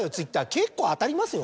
結構当たりますよ。